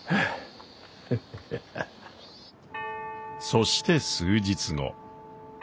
そして数日後。